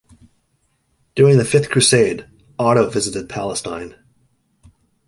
During the Fifth Crusade, Otto visited Palestine.